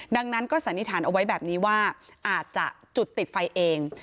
ดังนั้นก็สันนิษฐานเอาไว้แบบนี้ว่าอาจจะจุดติดไฟเอง